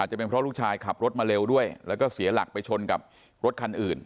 จะเป็นเพราะลูกชายขับรถมาเร็วด้วยแล้วก็เสียหลักไปชนกับรถคันอื่น